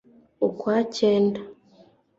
ukwa cyenda